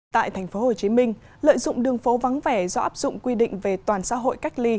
tại thành phố hồ chí minh lợi dụng đường phố vắng vẻ do áp dụng quy định về toàn xã hội cách ly